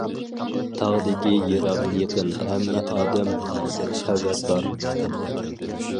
تاغدىكى يىراق-يېقىن ھەممە ئادەم بۇنىڭدىن خەۋەردار.